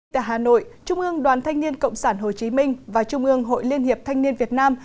tại hà nội trung ương đoàn thanh niên cộng sản hồ chí minh và trung ương hội liên hiệp thanh niên việt nam